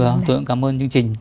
vâng tôi cũng cảm ơn chương trình